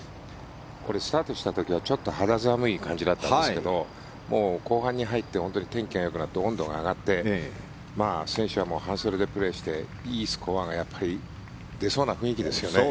これ、スタートした時は肌寒い感じだったんですが後半に入って天気がよくなって温度が上がって選手は半袖でプレーしていいスコアが出そうな雰囲気ですよね。